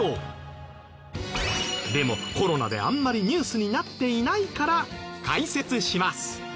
でもコロナであんまりニュースになっていないから解説します。